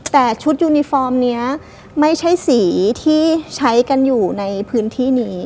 แต่ชุดยูนิฟอร์มนี้ไม่ใช่สีที่ใช้กันอยู่ในพื้นที่นี้